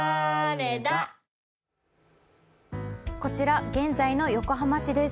こちら現在の横浜市です。